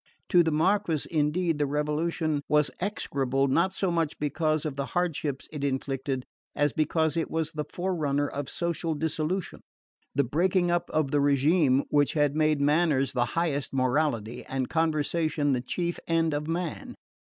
To the Marquis, indeed, the revolution was execrable not so much because of the hardships it inflicted, as because it was the forerunner of social dissolution the breaking up of the regime which had made manners the highest morality, and conversation the chief end of man.